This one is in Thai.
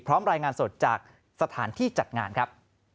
รายงานสดจากสถานที่จัดงานครับ